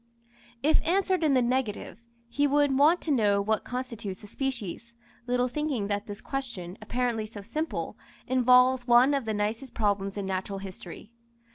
If answered in the negative, he would want to know what constitutes a species, little thinking that this question, apparently so simple, involves one of the nicest problems in natural history.